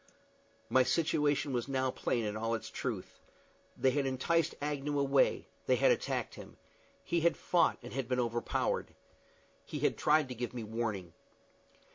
My situation was now plain in all its truth. They had enticed Agnew away; they had attacked him. He had fought, and had been overpowered. He had tried to give me warning.